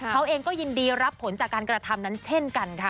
เขาเองก็ยินดีรับผลจากการกระทำนั้นเช่นกันค่ะ